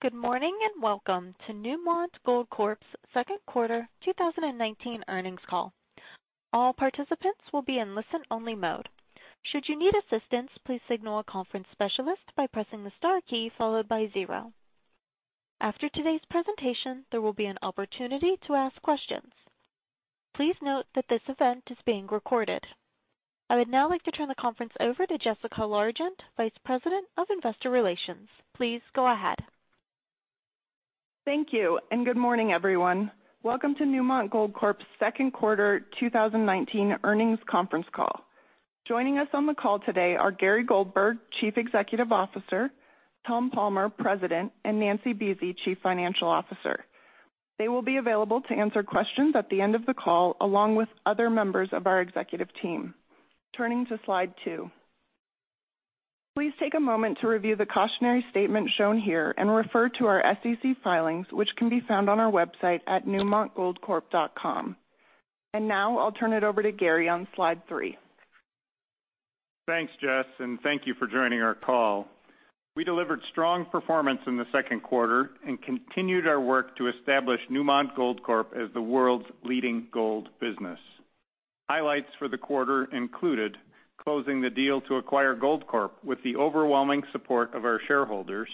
Good morning, and welcome to Newmont Goldcorp's second quarter 2019 earnings call. All participants will be in listen-only mode. Should you need assistance, please signal a conference specialist by pressing the star key followed by zero. After today's presentation, there will be an opportunity to ask questions. Please note that this event is being recorded. I would now like to turn the conference over to Jessica Largent, Vice President of Investor Relations. Please go ahead. Thank you. Good morning, everyone. Welcome to Newmont Goldcorp's second quarter 2019 earnings conference call. Joining us on the call today are Gary Goldberg, Chief Executive Officer, Tom Palmer, President, and Nancy Buese, Chief Financial Officer. They will be available to answer questions at the end of the call, along with other members of our executive team. Turning to Slide two. Please take a moment to review the cautionary statement shown here and refer to our SEC filings, which can be found on our website at newmontgoldcorp.com. Now, I'll turn it over to Gary on Slide three. Thanks, Jess, and thank you for joining our call. We delivered strong performance in the second quarter and continued our work to establish Newmont Goldcorp as the world's leading gold business. Highlights for the quarter included closing the deal to acquire Goldcorp with the overwhelming support of our shareholders,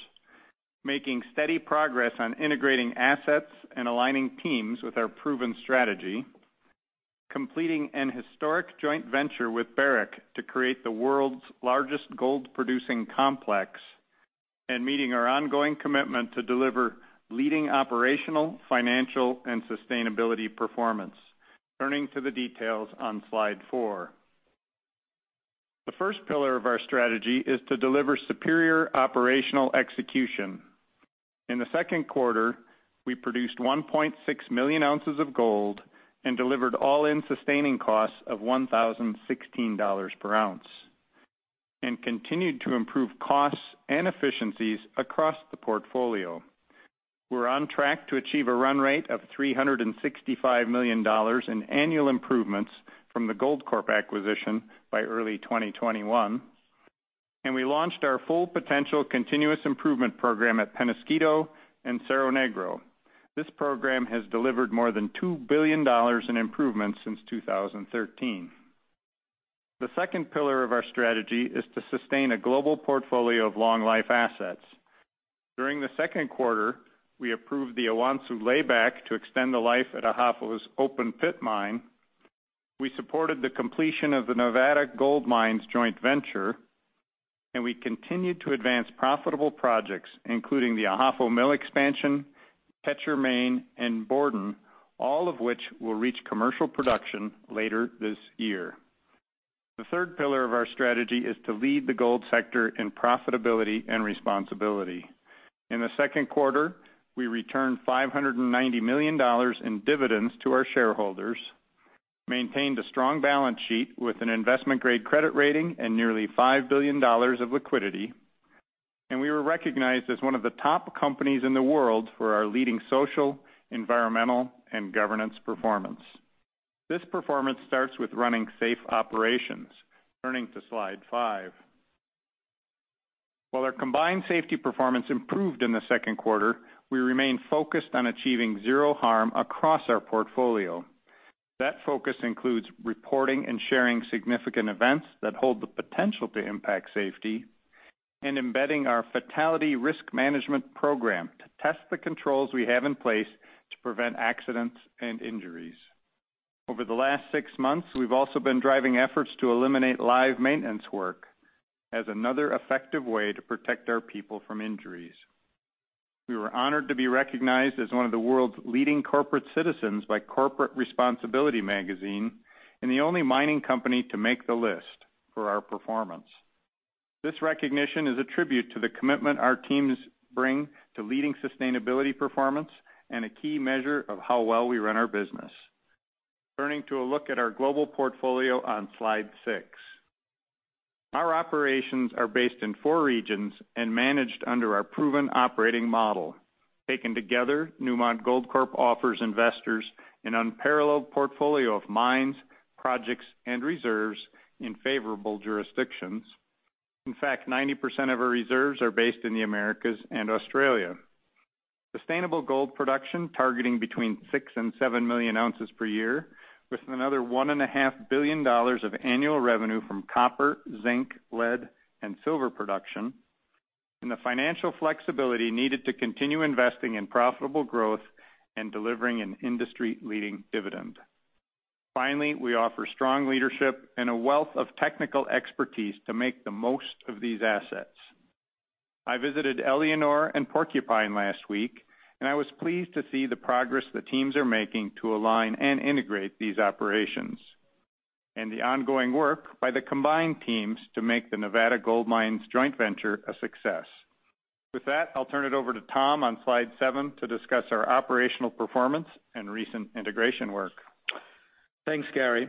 making steady progress on integrating assets and aligning teams with our proven strategy, completing an historic joint venture with Barrick to create the world's largest gold-producing complex, and meeting our ongoing commitment to deliver leading operational, financial, and sustainability performance. Turning to the details on Slide four. The first pillar of our strategy is to deliver superior operational execution. In the second quarter, we produced 1.6 million ounces of gold and delivered all-in sustaining costs of $1,016 per ounce and continued to improve costs and efficiencies across the portfolio. We're on track to achieve a run rate of $365 million in annual improvements from the Goldcorp acquisition by early 2021. We launched our Full Potential continuous improvement program at Peñasquito and Cerro Negro. This program has delivered more than $2 billion in improvements since 2013. The second pillar of our strategy is to sustain a global portfolio of long-life assets. During the second quarter, we approved the Awonsu layback to extend the life at Ahafo's open-pit mine. We supported the completion of the Nevada Gold Mines joint venture, and we continued to advance profitable projects, including the Ahafo Mill Expansion, Quecher Main, and Borden, all of which will reach commercial production later this year. The third pillar of our strategy is to lead the gold sector in profitability and responsibility. In the second quarter, we returned $590 million in dividends to our shareholders, maintained a strong balance sheet with an investment-grade credit rating and nearly $5 billion of liquidity, and we were recognized as one of the top companies in the world for our leading social, environmental, and governance performance. This performance starts with running safe operations. Turning to Slide five. While our combined safety performance improved in the second quarter, we remain focused on achieving zero harm across our portfolio. That focus includes reporting and sharing significant events that hold the potential to impact safety and embedding our Fatality Risk Management program to test the controls we have in place to prevent accidents and injuries. Over the last six months, we've also been driving efforts to eliminate live maintenance work as another effective way to protect our people from injuries. We were honored to be recognized as one of the world's leading corporate citizens by Corporate Responsibility Magazine and the only mining company to make the list for our performance. This recognition is a tribute to the commitment our teams bring to leading sustainability performance and a key measure of how well we run our business. Turning to a look at our global portfolio on Slide six. Our operations are based in four regions and managed under our proven operating model. Taken together, Newmont Goldcorp offers investors an unparalleled portfolio of mines, projects, and reserves in favorable jurisdictions. In fact, 90% of our reserves are based in the Americas and Australia. Sustainable gold production targeting between six and seven million ounces per year, with another one and a half billion dollars of annual revenue from copper, zinc, lead, and silver production, and the financial flexibility needed to continue investing in profitable growth and delivering an industry-leading dividend. Finally, we offer strong leadership and a wealth of technical expertise to make the most of these assets. I visited Éléonore and Porcupine last week, and I was pleased to see the progress the teams are making to align and integrate these operations, and the ongoing work by the combined teams to make the Nevada Gold Mines joint venture a success. With that, I'll turn it over to Tom on slide seven to discuss our operational performance and recent integration work. Thanks, Gary.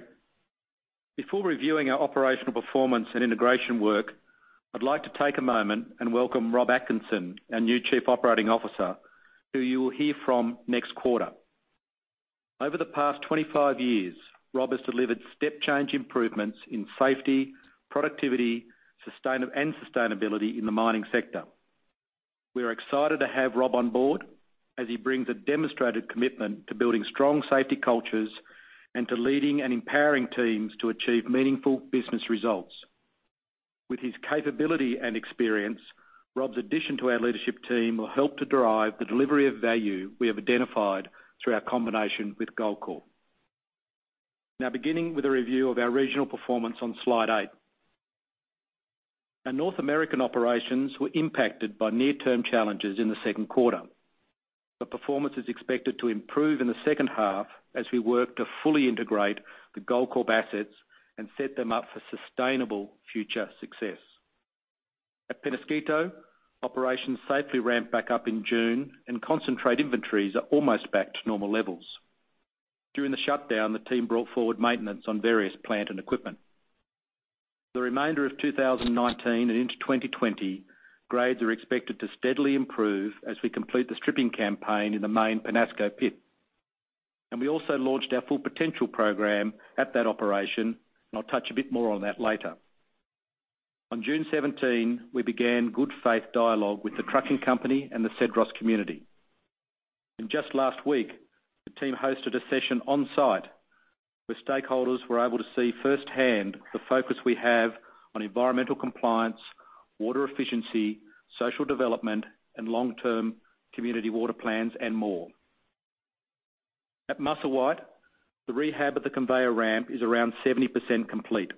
Before reviewing our operational performance and integration work, I'd like to take a moment and welcome Rob Atkinson, our new Chief Operating Officer, who you will hear from next quarter. Over the past 25 years, Rob has delivered step-change improvements in safety, productivity, and sustainability in the mining sector. We are excited to have Rob on board as he brings a demonstrated commitment to building strong safety cultures and to leading and empowering teams to achieve meaningful business results. With his capability and experience, Rob's addition to our leadership team will help to derive the delivery of value we have identified through our combination with Goldcorp. Beginning with a review of our regional performance on slide eight. Our North American operations were impacted by near-term challenges in the second quarter. The performance is expected to improve in the second half as we work to fully integrate the Goldcorp assets and set them up for sustainable future success. At Peñasquito, operations safely ramped back up in June, and concentrate inventories are almost back to normal levels. During the shutdown, the team brought forward maintenance on various plant and equipment. The remainder of 2019 and into 2020, grades are expected to steadily improve as we complete the stripping campaign in the main Peñasco pit. We also launched our Full Potential program at that operation, and I'll touch a bit more on that later. On June 17, we began good faith dialogue with the trucking company and the Cedros community. Just last week, the team hosted a session on-site where stakeholders were able to see firsthand the focus we have on environmental compliance, water efficiency, social development, and long-term community water plans, and more. At Musselwhite, the rehab of the conveyor ramp is around 70% complete.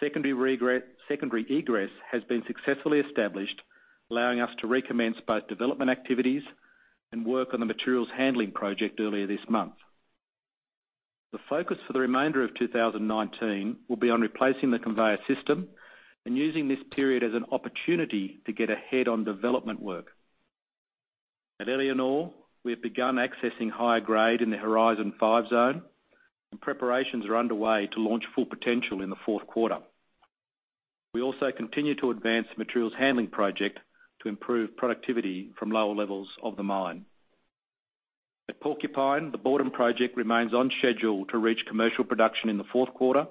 Secondary egress has been successfully established, allowing us to recommence both development activities and work on the materials handling project earlier this month. The focus for the remainder of 2019 will be on replacing the conveyor system and using this period as an opportunity to get ahead on development work. At Éléonore, we have begun accessing higher grade in the Horizon 5 zone, and preparations are underway to launch Full Potential in the fourth quarter. We also continue to advance the materials handling project to improve productivity from lower levels of the mine. At Porcupine, the Borden project remains on schedule to reach commercial production in the fourth quarter.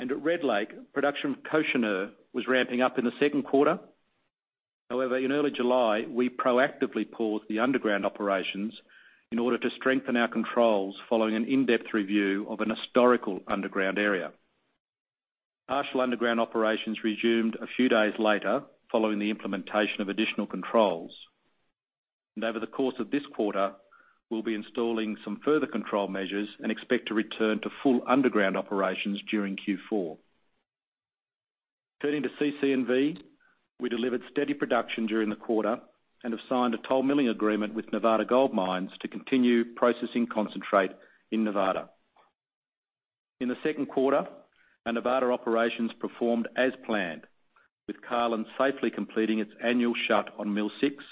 At Red Lake, production of Cochenour was ramping up in the second quarter. However, in early July, we proactively paused the underground operations in order to strengthen our controls following an in-depth review of an historical underground area. Partial underground operations resumed a few days later following the implementation of additional controls. Over the course of this quarter, we'll be installing some further control measures and expect to return to full underground operations during Q4. Turning to CC&V, we delivered steady production during the quarter and have signed a toll milling agreement with Nevada Gold Mines to continue processing concentrate in Nevada. In the second quarter, our Nevada operations performed as planned, with Carlin safely completing its annual shut on mill six.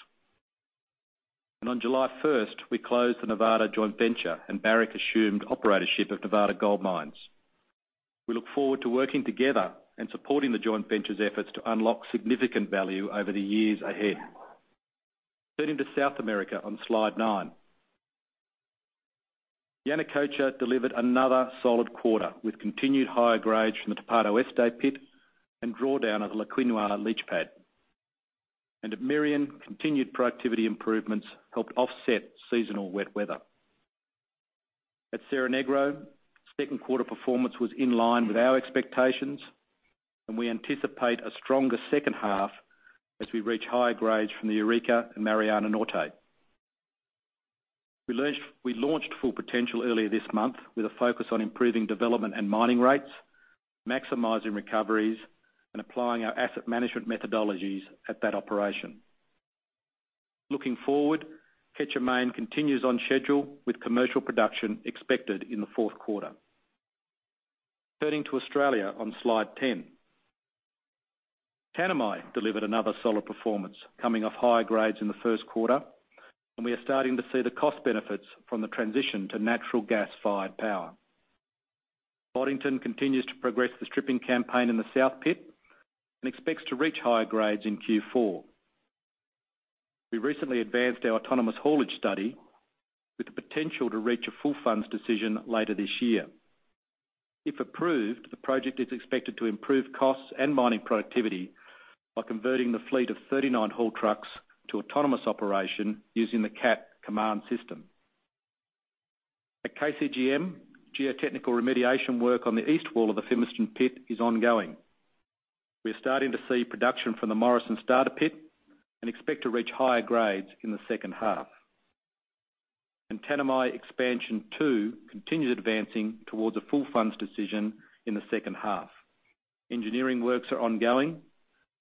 On July 1st, we closed the Nevada joint venture, and Barrick assumed operatorship of Nevada Gold Mines. We look forward to working together and supporting the joint venture's efforts to unlock significant value over the years ahead. Turning to South America on slide nine. Yanacocha delivered another solid quarter with continued higher grades from the Tapado Este pit and drawdown of the La Quinua leach pad. At Merian, continued productivity improvements helped offset seasonal wet weather. At Cerro Negro, second quarter performance was in line with our expectations, and we anticipate a stronger second half as we reach higher grades from the Eureka and Mariana Norte. We launched Full Potential earlier this month with a focus on improving development and mining rates, maximizing recoveries, and applying our asset management methodologies at that operation. Looking forward, Quecher Main continues on schedule with commercial production expected in the fourth quarter. Turning to Australia on slide 10. Tanami delivered another solid performance, coming off high grades in the first quarter, and we are starting to see the cost benefits from the transition to natural gas-fired power. Boddington continues to progress the stripping campaign in the South pit and expects to reach higher grades in Q4. We recently advanced our autonomous haulage study with the potential to reach a full funds decision later this year. If approved, the project is expected to improve costs and mining productivity by converting the fleet of 39 haul trucks to autonomous operation using the Cat Command system. At KCGM, geotechnical remediation work on the east wall of the Fimiston pit is ongoing. We are starting to see production from the Morrison starter pit and expect to reach higher grades in the second half. Tanami Expansion 2 continues advancing towards a full funds decision in the second half. Engineering works are ongoing,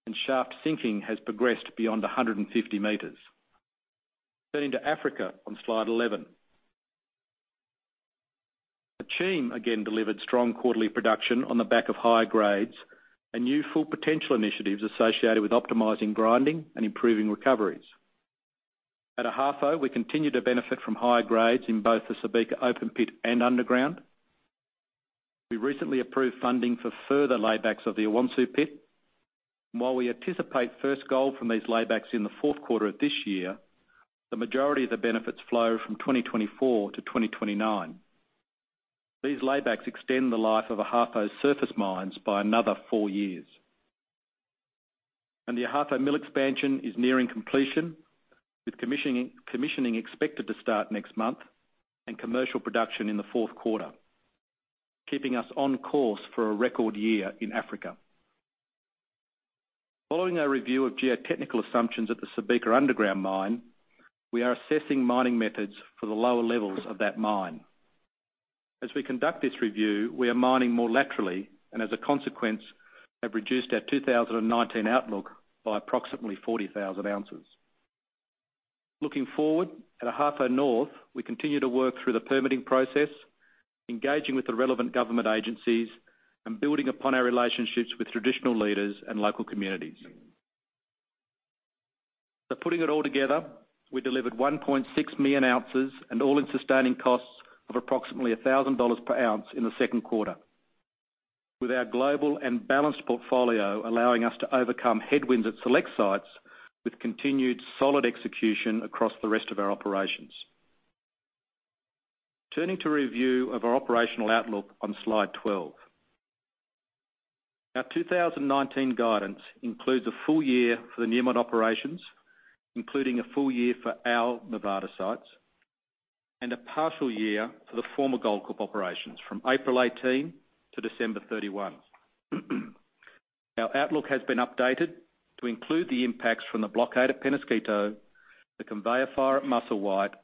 and shaft sinking has progressed beyond 150 meters. Turning to Africa on slide 11. Akyem again delivered strong quarterly production on the back of higher grades and new Full Potential initiatives associated with optimizing grinding and improving recoveries. At Ahafo, we continue to benefit from higher grades in both the Subika open pit and underground. We recently approved funding for further laybacks of the Awonsu pit. While we anticipate first gold from these laybacks in the fourth quarter of this year, the majority of the benefits flow from 2024 to 2029. These laybacks extend the life of Ahafo's surface mines by another four years. The Ahafo Mill Expansion is nearing completion, with commissioning expected to start next month and commercial production in the fourth quarter, keeping us on course for a record year in Africa. Following our review of geotechnical assumptions at the Subika underground mine, we are assessing mining methods for the lower levels of that mine. As we conduct this review, we are mining more laterally and as a consequence, have reduced our 2019 outlook by approximately 40,000 ounces. Looking forward, at Ahafo North, we continue to work through the permitting process, engaging with the relevant government agencies and building upon our relationships with traditional leaders and local communities. Putting it all together, we delivered 1.6 million ounces and all-in sustaining costs of approximately $1,000 per ounce in the second quarter. With our global and balanced portfolio allowing us to overcome headwinds at select sites with continued solid execution across the rest of our operations. Turning to a review of our operational outlook on slide 12. Our 2019 guidance includes a full year for the Newmont operations, including a full year for our Nevada sites, and a partial year for the former Goldcorp operations from April 18 to December 31. Our outlook has been updated to include the impacts from the blockade at Peñasquito, the conveyor fire at Musselwhite,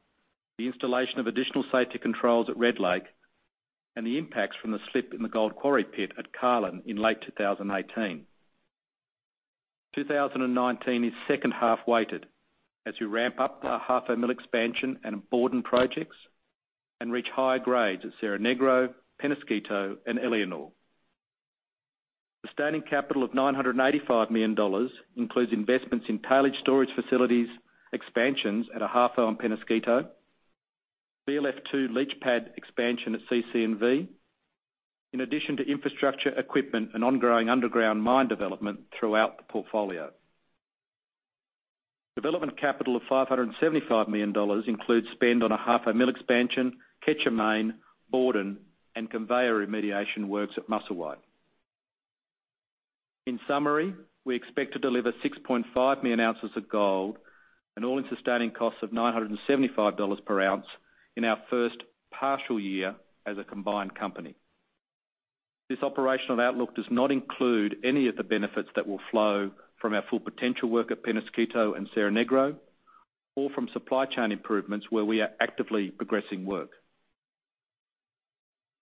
the installation of additional safety controls at Red Lake, and the impacts from the slip in the gold quarry pit at Carlin in late 2018. 2019 is second half weighted as we ramp up our Ahafo Mill Expansion and Borden projects and reach higher grades at Cerro Negro, Peñasquito, and Éléonore. Sustaining capital of $985 million includes investments in tailings storage facilities, expansions at Ahafo and Peñasquito, VLF2 leach pad expansion at CC&V, in addition to infrastructure, equipment and ongoing underground mine development throughout the portfolio. Development capital of $575 million includes spend on Ahafo Mill Expansion, Quecher Main, Borden, and conveyor remediation works at Musselwhite. In summary, we expect to deliver 6.5 million ounces of gold and all-in sustaining costs of $975 per ounce in our first partial year as a combined company. This operational outlook does not include any of the benefits that will flow from our Full Potential work at Peñasquito and Cerro Negro, or from supply chain improvements where we are actively progressing work.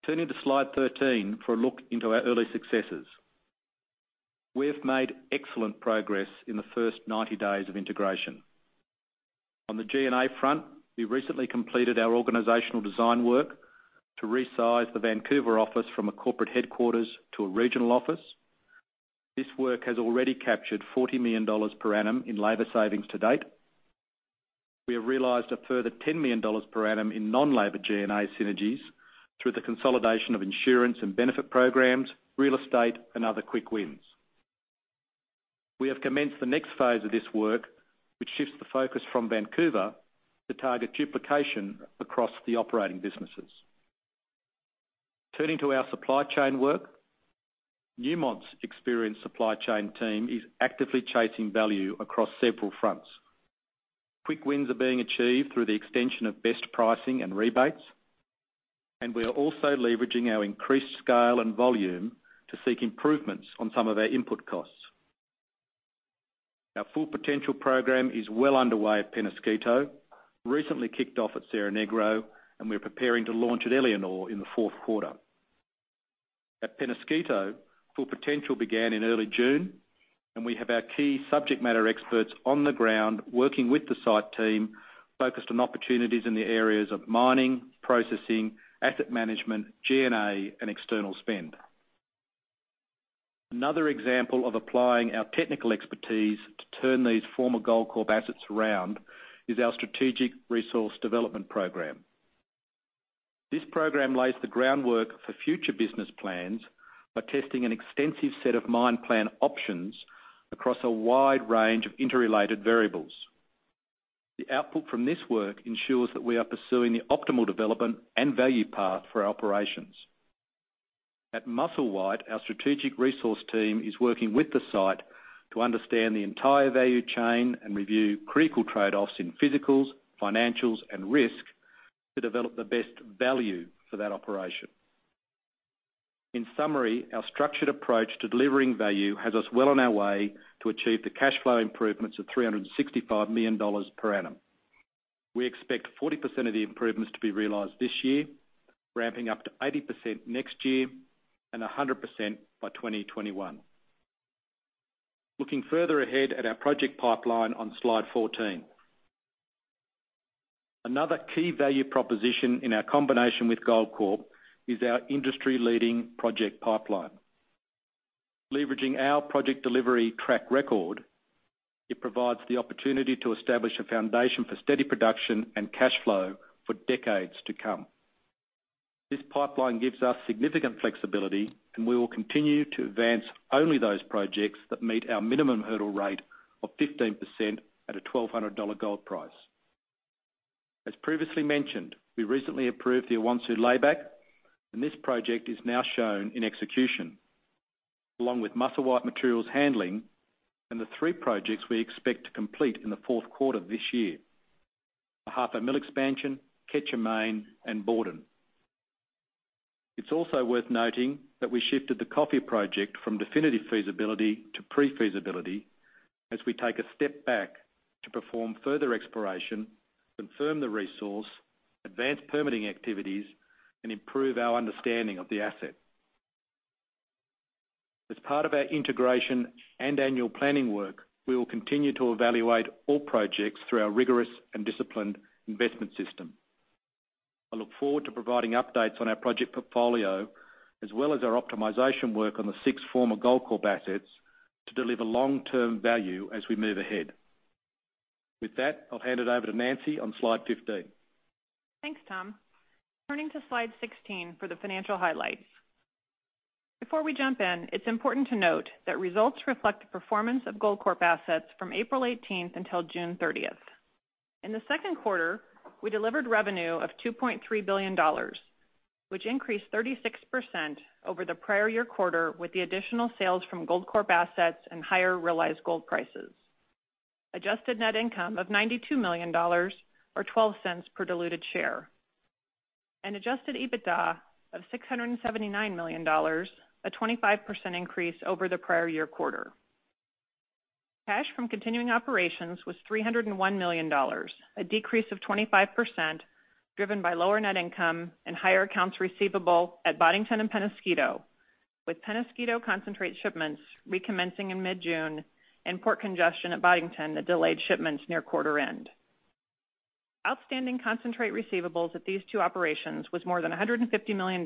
Turning to slide 13 for a look into our early successes. We have made excellent progress in the first 90 days of integration. On the G&A front, we recently completed our organizational design work to resize the Vancouver office from a corporate headquarters to a regional office. This work has already captured $40 million per annum in labor savings to date. We have realized a further $10 million per annum in non-labor G&A synergies through the consolidation of insurance and benefit programs, real estate, and other quick wins. We have commenced the next phase of this work, which shifts the focus from Vancouver to target duplication across the operating businesses. Turning to our supply chain work. Newmont's experienced supply chain team is actively chasing value across several fronts. Quick wins are being achieved through the extension of best pricing and rebates, and we are also leveraging our increased scale and volume to seek improvements on some of our input costs. Our Full Potential program is well underway at Peñasquito, recently kicked off at Cerro Negro, and we're preparing to launch at Éléonore in the fourth quarter. At Peñasquito, Full Potential began in early June, and we have our key subject matter experts on the ground working with the site team, focused on opportunities in the areas of mining, processing, asset management, G&A, and external spend. Another example of applying our technical expertise to turn these former Goldcorp assets around is our strategic resource development program. This program lays the groundwork for future business plans by testing an extensive set of mine plan options across a wide range of interrelated variables. The output from this work ensures that we are pursuing the optimal development and value path for our operations. At Musselwhite, our strategic resource team is working with the site to understand the entire value chain and review critical trade-offs in physicals, financials, and risk to develop the best value for that operation. In summary, our structured approach to delivering value has us well on our way to achieve the cash flow improvements of $365 million per annum. We expect 40% of the improvements to be realized this year, ramping up to 80% next year, and 100% by 2021. Looking further ahead at our project pipeline on slide 14. Another key value proposition in our combination with Goldcorp is our industry-leading project pipeline. Leveraging our project delivery track record, it provides the opportunity to establish a foundation for steady production and cash flow for decades to come. This pipeline gives us significant flexibility, and we will continue to advance only those projects that meet our minimum hurdle rate of 15% at a $1,200 gold price. As previously mentioned, we recently approved the Awonsu layback, and this project is now shown in execution, along with Musselwhite materials handling and the three projects we expect to complete in the fourth quarter of this year: the Ahafo Mill Expansion, Quecher Main, and Borden. It is also worth noting that we shifted the Coffee project from definitive feasibility to pre-feasibility as we take a step back to perform further exploration, confirm the resource, advance permitting activities, and improve our understanding of the asset. As part of our integration and annual planning work, we will continue to evaluate all projects through our rigorous and disciplined investment system. I look forward to providing updates on our project portfolio, as well as our optimization work on the six former Goldcorp assets, to deliver long-term value as we move ahead. With that, I'll hand it over to Nancy on slide 15. Thanks, Tom. Turning to slide 16 for the financial highlights. Before we jump in, it's important to note that results reflect the performance of Goldcorp assets from April 18th until June 30th. In the second quarter, we delivered revenue of $2.3 billion, which increased 36% over the prior year quarter with the additional sales from Goldcorp assets and higher realized gold prices, adjusted net income of $92 million, or $0.12 per diluted share, and adjusted EBITDA of $679 million, a 25% increase over the prior year quarter. Cash from continuing operations was $301 million, a decrease of 25%, driven by lower net income and higher accounts receivable at Boddington and Peñasquito, with Peñasquito concentrate shipments recommencing in mid-June and port congestion at Boddington that delayed shipments near quarter end. Outstanding concentrate receivables at these two operations was more than $150 million,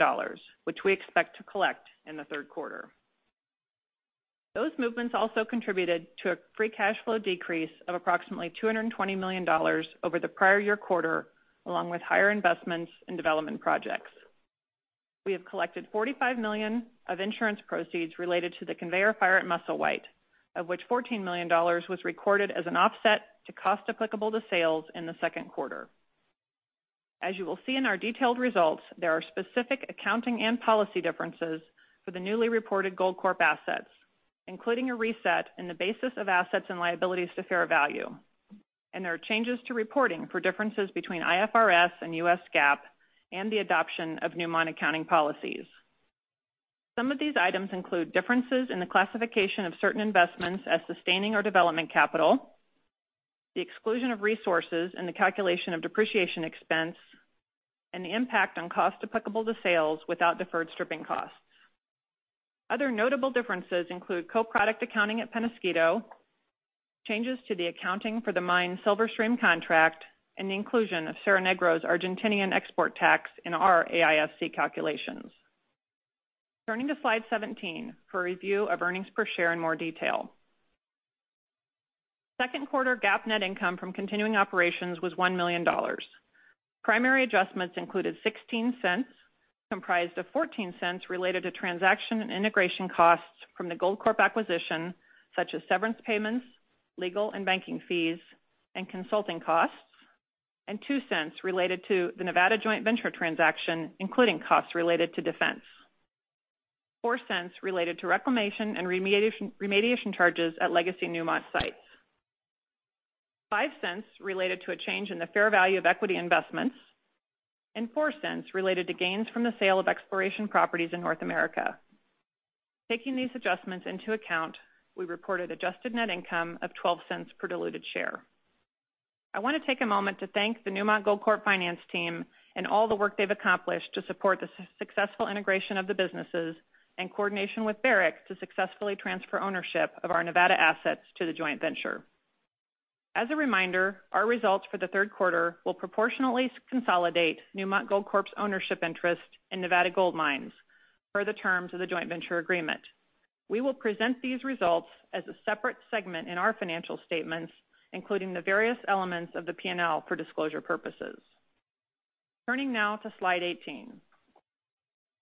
which we expect to collect in the third quarter. Those movements also contributed to a free cash flow decrease of approximately $220 million over the prior year quarter, along with higher investments in development projects. We have collected $45 million of insurance proceeds related to the conveyor fire at Musselwhite, of which $14 million was recorded as an offset to cost applicable to sales in the second quarter. As you will see in our detailed results, there are specific accounting and policy differences for the newly reported Goldcorp assets, including a reset in the basis of assets and liabilities to fair value, and there are changes to reporting for differences between IFRS and US GAAP and the adoption of Newmont accounting policies. Some of these items include differences in the classification of certain investments as sustaining or development capital, the exclusion of resources in the calculation of depreciation expense, and the impact on cost applicable to sales without deferred stripping costs. Other notable differences include co-product accounting at Peñasquito, changes to the accounting for the mine's silver stream contract, and the inclusion of Cerro Negro's Argentinian export tax in our AISC calculations. Turning to slide 17 for a review of earnings per share in more detail. Second quarter GAAP net income from continuing operations was $1 million. Primary adjustments included $0.16, comprised of $0.14 related to transaction and integration costs from the Goldcorp acquisition, such as severance payments, legal and banking fees, and consulting costs, and $0.02 related to the Nevada joint venture transaction, including costs related to defense. $0.04 related to reclamation and remediation charges at legacy Newmont sites. $0.05 related to a change in the fair value of equity investments, and $0.04 related to gains from the sale of exploration properties in North America. Taking these adjustments into account, we reported adjusted net income of $0.12 per diluted share. I want to take a moment to thank the Newmont Goldcorp finance team and all the work they've accomplished to support the successful integration of the businesses and coordination with Barrick to successfully transfer ownership of our Nevada assets to the joint venture. As a reminder, our results for the third quarter will proportionally consolidate Newmont Goldcorp's ownership interest in Nevada Gold Mines per the terms of the joint venture agreement. We will present these results as a separate segment in our financial statements, including the various elements of the P&L for disclosure purposes. Turning now to slide 18.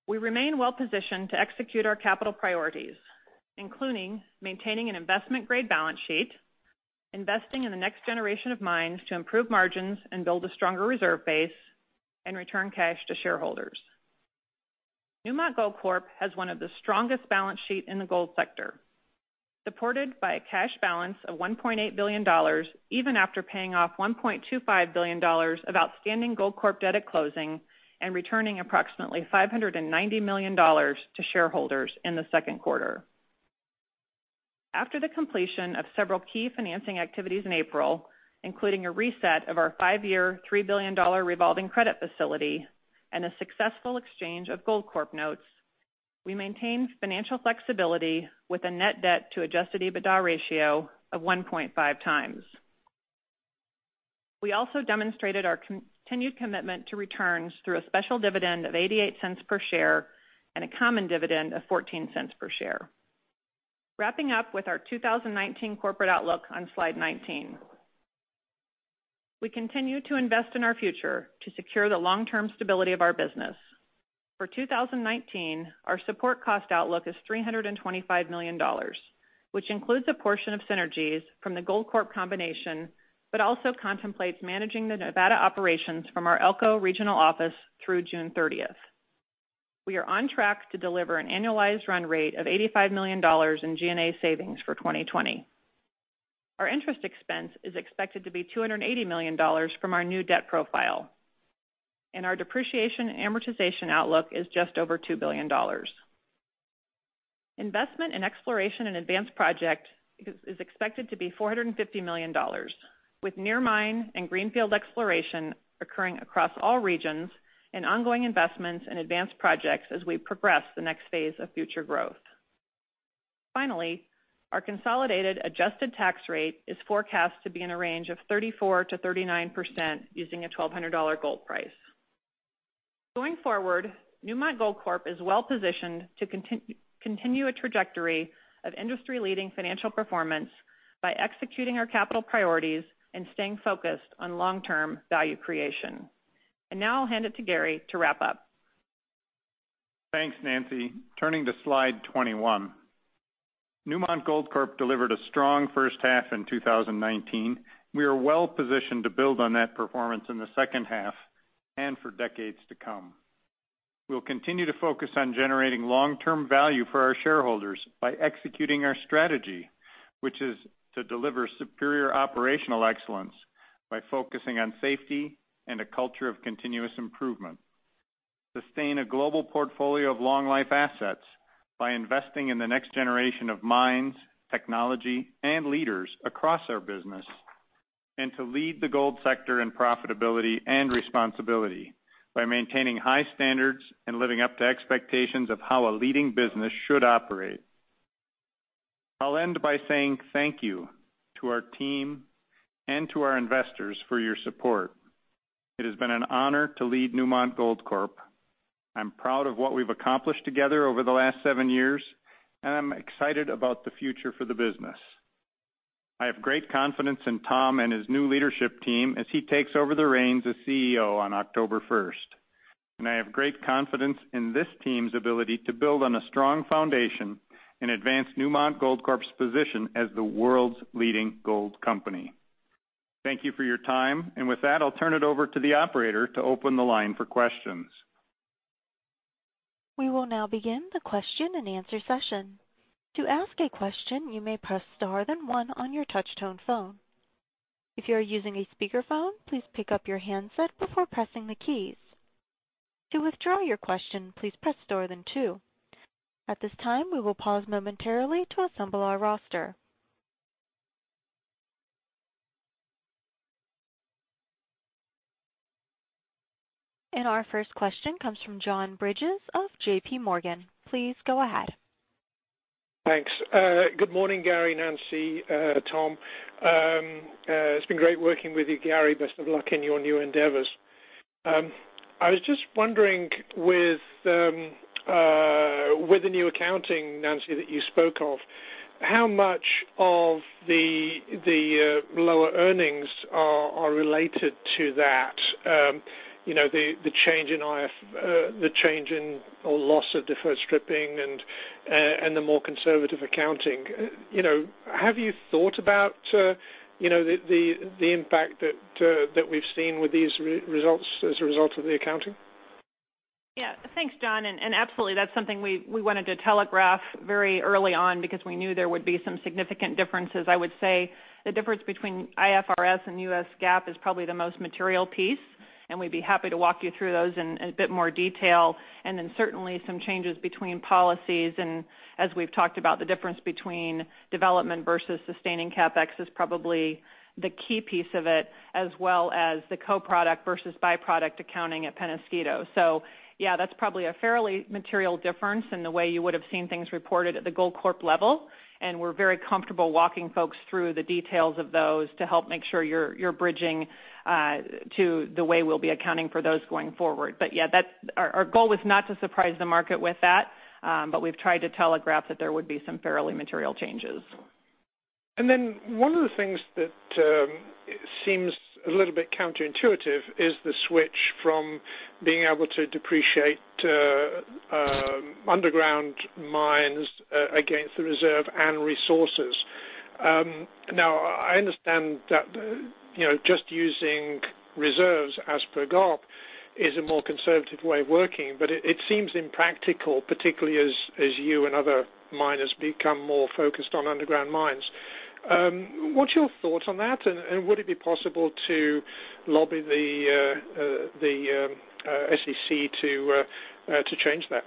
We remain well-positioned to execute our capital priorities, including maintaining an investment-grade balance sheet, investing in the next generation of mines to improve margins and build a stronger reserve base, and return cash to shareholders. Newmont Goldcorp has one of the strongest balance sheets in the gold sector, supported by a cash balance of $1.8 billion, even after paying off $1.25 billion of outstanding Goldcorp debt at closing and returning approximately $590 million to shareholders in the second quarter. After the completion of several key financing activities in April, including a reset of our five-year, $3 billion revolving credit facility and a successful exchange of Goldcorp notes, we maintained financial flexibility with a net debt to adjusted EBITDA ratio of 1.5 times. We also demonstrated our continued commitment to returns through a special dividend of $0.88 per share and a common dividend of $0.14 per share. Wrapping up with our 2019 corporate outlook on slide 19. We continue to invest in our future to secure the long-term stability of our business. For 2019, our support cost outlook is $325 million, which includes a portion of synergies from the Goldcorp combination, but also contemplates managing the Nevada operations from our Elko regional office through June 30th. We are on track to deliver an annualized run rate of $85 million in G&A savings for 2020. Our interest expense is expected to be $280 million from our new debt profile, and our depreciation amortization outlook is just over $2 billion. Investment in exploration and advanced project is expected to be $450 million, with near mine and greenfield exploration occurring across all regions and ongoing investments in advanced projects as we progress the next phase of future growth. Finally, our consolidated adjusted tax rate is forecast to be in a range of 34%-39% using a $1,200 gold price. Going forward, Newmont Goldcorp is well-positioned to continue a trajectory of industry-leading financial performance by executing our capital priorities and staying focused on long-term value creation. Now I'll hand it to Gary to wrap up. Thanks, Nancy. Turning to slide 21. Newmont Goldcorp delivered a strong first half in 2019. We are well-positioned to build on that performance in the second half and for decades to come. We'll continue to focus on generating long-term value for our shareholders by executing our strategy, which is to deliver superior operational excellence by focusing on safety and a culture of continuous improvement. To lead the gold sector in profitability and responsibility by maintaining high standards and living up to expectations of how a leading business should operate. I'll end by saying thank you to our team and to our investors for your support. It has been an honor to lead Newmont Goldcorp. I'm proud of what we've accomplished together over the last seven years, and I'm excited about the future for the business. I have great confidence in Tom and his new leadership team as he takes over the reins as CEO on October 1st, and I have great confidence in this team's ability to build on a strong foundation and advance Newmont Goldcorp's position as the world's leading gold company. Thank you for your time, and with that, I'll turn it over to the operator to open the line for questions. We will now begin the question and answer session. To ask a question, you may press star then one on your touch tone phone. If you are using a speakerphone, please pick up your handset before pressing the keys. To withdraw your question, please press star then two. At this time, we will pause momentarily to assemble our roster. Our first question comes from John Bridges of J.P. Morgan. Please go ahead. Thanks. Good morning, Gary, Nancy, Tom. It's been great working with you, Gary. Best of luck in your new endeavors. I was just wondering with the new accounting, Nancy, that you spoke of, how much of the lower earnings are related to that? The change in, or loss of deferred stripping and the more conservative accounting. Have you thought about the impact that we've seen with these results as a result of the accounting? Thanks, John, absolutely, that's something we wanted to telegraph very early on because we knew there would be some significant differences. I would say the difference between IFRS and US GAAP is probably the most material piece, we'd be happy to walk you through those in a bit more detail. Certainly some changes between policies and as we've talked about, the difference between development versus sustaining CapEx is probably the key piece of it, as well as the co-product versus by-product accounting at Peñasquito. Yeah, that's probably a fairly material difference in the way you would have seen things reported at the Goldcorp level, we're very comfortable walking folks through the details of those to help make sure you're bridging to the way we'll be accounting for those going forward. Yeah, our goal was not to surprise the market with that, but we've tried to telegraph that there would be some fairly material changes. Then one of the things that seems a little bit counterintuitive is the switch from being able to depreciate underground mines against the reserve and resources. Now, I understand that just using reserves as per GAAP is a more conservative way of working, but it seems impractical, particularly as you and other miners become more focused on underground mines. What's your thought on that, and would it be possible to lobby the SEC to change that?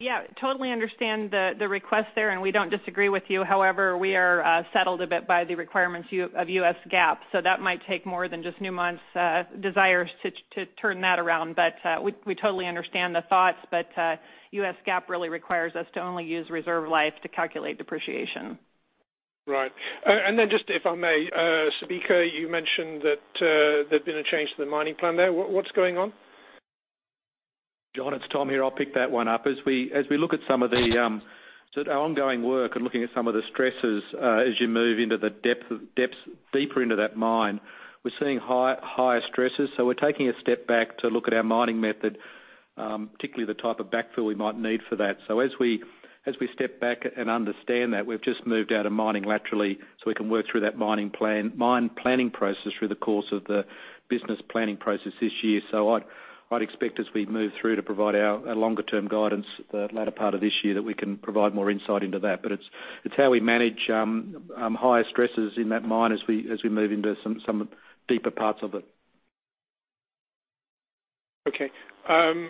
Yeah, totally understand the request there, and we don't disagree with you. However, we are settled a bit by the requirements of US GAAP, so that might take more than just Newmont's desire to turn that around. We totally understand the thoughts, but US GAAP really requires us to only use reserve life to calculate depreciation. Right. Then just if I may, Subika, you mentioned that there'd been a change to the mining plan there. What's going on? John, it's Tom here. I'll pick that one up. As we look at some of the ongoing work and looking at some of the stresses as you move deeper into that mine, we're seeing higher stresses. We're taking a step back to look at our mining method, particularly the type of backfill we might need for that. As we step back and understand that, we've just moved out of mining laterally, so we can work through that mine planning process through the course of the business planning process this year. I'd expect as we move through to provide our longer-term guidance the latter part of this year that we can provide more insight into that. It's how we manage higher stresses in that mine as we move into some deeper parts of it. Okay.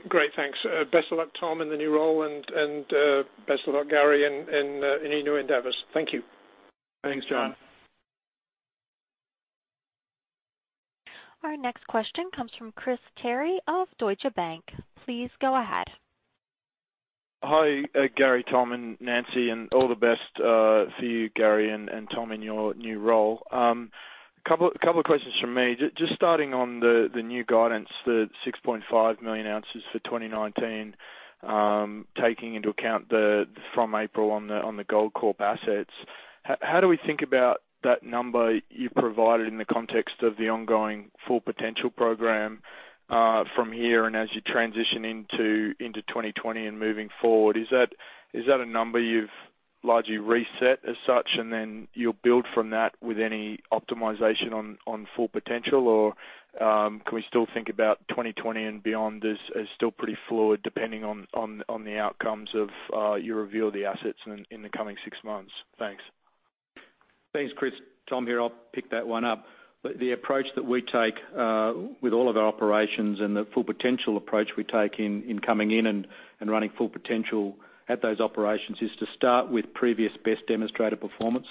Great. Thanks. Best of luck, Tom, in the new role, and best of luck, Gary, in your new endeavors. Thank you. Thanks, John. Thanks, Tom. Our next question comes from Chris Terry of Deutsche Bank. Please go ahead. Hi, Gary, Tom, and Nancy, and all the best for you, Gary, and Tom, in your new role. Couple of questions from me. Just starting on the new guidance, the 6.5 million ounces for 2019, taking into account from April on the Goldcorp assets. How do we think about that number you provided in the context of the ongoing Full Potential program from here and as you transition into 2020 and moving forward? Is that a number you've largely reset as such, and then you'll build from that with any optimization on Full Potential? Can we still think about 2020 and beyond as still pretty fluid depending on the outcomes of your review of the assets in the coming six months? Thanks. Thanks, Chris. Tom here, I'll pick that one up. The approach that we take with all of our operations and the Full Potential approach we take in coming in and running Full Potential at those operations is to start with previous best demonstrated performance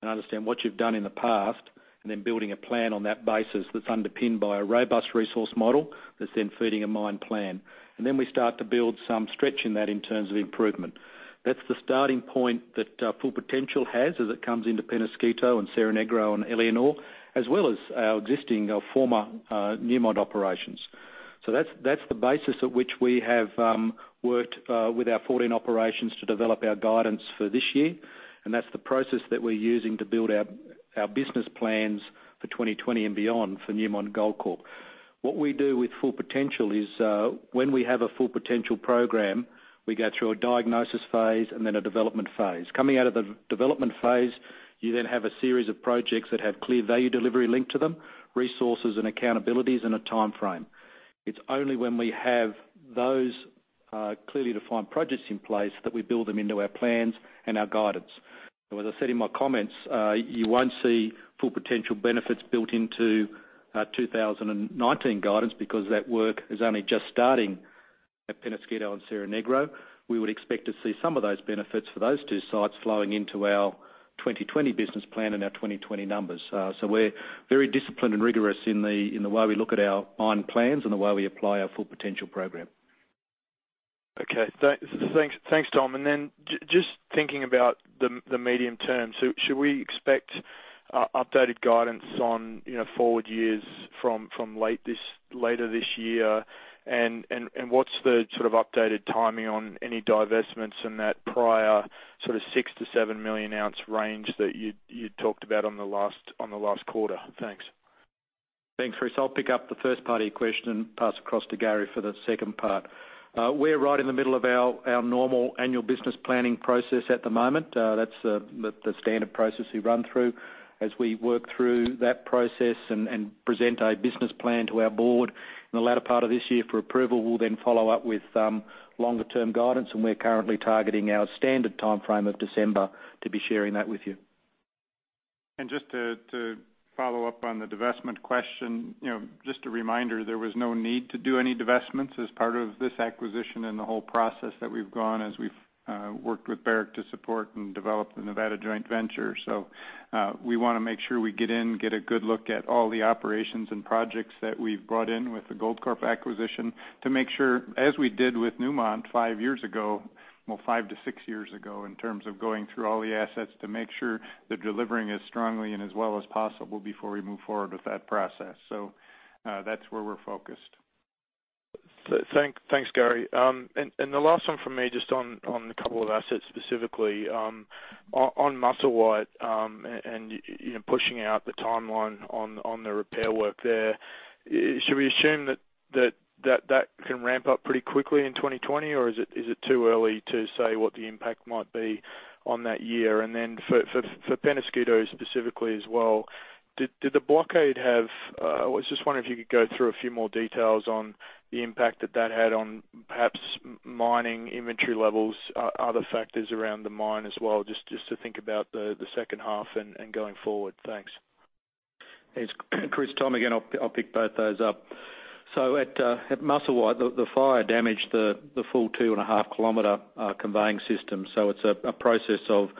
and understand what you've done in the past, then building a plan on that basis that's underpinned by a robust resource model that's then feeding a mine plan. Then we start to build some stretch in that in terms of improvement. That's the starting point that Full Potential has as it comes into Peñasquito and Cerro Negro and Éléonore, as well as our existing former Newmont operations. That's the basis at which we have worked with our 14 operations to develop our guidance for this year, and that's the process that we're using to build our business plans for 2020 and beyond for Newmont Goldcorp. What we do with Full Potential is when we have a Full Potential program, we go through a diagnosis phase and then a development phase. Coming out of the development phase, you then have a series of projects that have clear value delivery linked to them, resources and accountabilities, and a timeframe. It's only when we have those clearly defined projects in place that we build them into our plans and our guidance. As I said in my comments, you won't see Full Potential benefits built into our 2019 guidance because that work is only just starting at Peñasquito and Cerro Negro. We would expect to see some of those benefits for those two sites flowing into our 2020 business plan and our 2020 numbers. We're very disciplined and rigorous in the way we look at our mine plans and the way we apply our Full Potential program. Okay. Thanks, Tom. Just thinking about the medium term, should we expect updated guidance on forward years from later this year? What's the sort of updated timing on any divestments in that prior sort of 6 million-7 million ounce range that you'd talked about on the last quarter? Thanks. Thanks, Chris. I'll pick up the first part of your question and pass across to Gary for the second part. We're right in the middle of our normal annual business planning process at the moment. That's the standard process we run through. As we work through that process and present a business plan to our board in the latter part of this year for approval, we'll then follow up with longer term guidance, and we're currently targeting our standard timeframe of December to be sharing that with you. Just to follow up on the divestment question, just a reminder, there was no need to do any divestments as part of this acquisition and the whole process that we've gone as we've worked with Barrick to support and develop the Nevada joint venture. We want to make sure we get in, get a good look at all the operations and projects that we've brought in with the Goldcorp acquisition to make sure, as we did with Newmont five years ago, well, five to six years ago, in terms of going through all the assets to make sure they're delivering as strongly and as well as possible before we move forward with that process. That's where we're focused. Thanks, Gary. The last one from me, just on a couple of assets specifically, on Musselwhite and pushing out the timeline on the repair work there. Should we assume that can ramp up pretty quickly in 2020? Is it too early to say what the impact might be on that year? Then for Peñasquito specifically as well, I was just wondering if you could go through a few more details on the impact that that had on perhaps mining inventory levels, other factors around the mine as well, just to think about the second half and going forward. Thanks. Thanks, Chris. Tom again. I'll pick both those up. At Musselwhite, the fire damaged the full 2.5 kilometer conveying system. It's a process of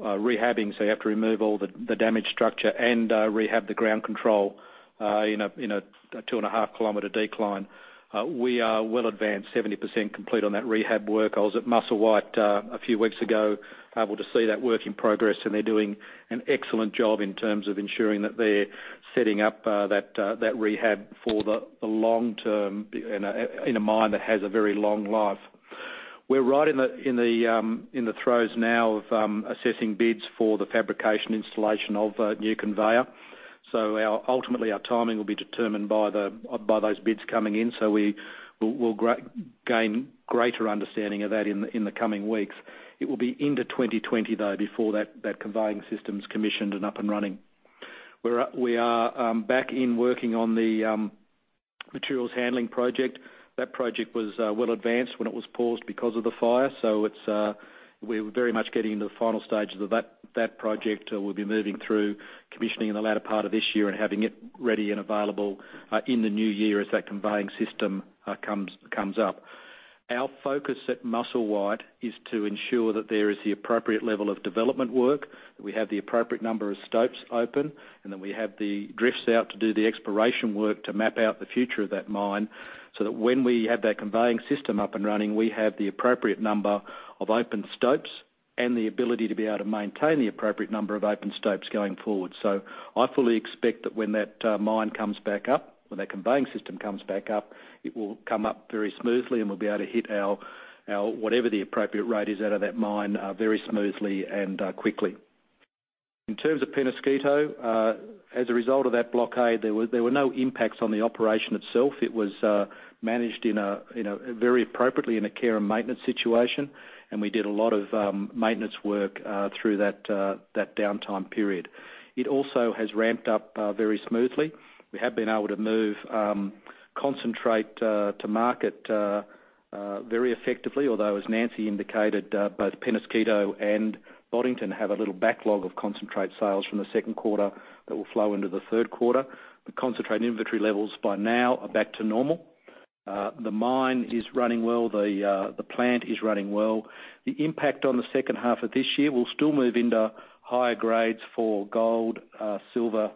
rehabbing, so you have to remove all the damaged structure and rehab the ground control in a 2.5 kilometer decline. We are well advanced, 70% complete on that rehab work. I was at Musselwhite a few weeks ago able to see that work in progress, and they're doing an excellent job in terms of ensuring that they're setting up that rehab for the long term in a mine that has a very long life. We're right in the throes now of assessing bids for the fabrication installation of a new conveyor. Ultimately, our timing will be determined by those bids coming in, so we'll gain greater understanding of that in the coming weeks. It will be into 2020, though, before that conveying system's commissioned and up and running. We are back in working on the materials handling project. That project was well advanced when it was paused because of the fire. We're very much getting into the final stages of that project. We'll be moving through commissioning in the latter part of this year and having it ready and available, in the new year as that conveying system comes up. Our focus at Musselwhite is to ensure that there is the appropriate level of development work, that we have the appropriate number of stopes open, and that we have the drifts out to do the exploration work to map out the future of that mine, so that when we have that conveying system up and running, we have the appropriate number of open stopes and the ability to be able to maintain the appropriate number of open stopes going forward. I fully expect that when that mine comes back up, when that conveying system comes back up, it will come up very smoothly, and we'll be able to hit our, whatever the appropriate rate is out of that mine, very smoothly and quickly. In terms of Peñasquito, as a result of that blockade, there were no impacts on the operation itself. It was managed very appropriately in a care and maintenance situation, and we did a lot of maintenance work through that downtime period. It also has ramped up very smoothly. We have been able to move concentrate to market very effectively. As Nancy indicated, both Peñasquito and Boddington have a little backlog of concentrate sales from the second quarter that will flow into the third quarter. The concentrate inventory levels by now are back to normal. The mine is running well. The plant is running well. The impact on the second half of this year will still move into higher grades for gold, silver,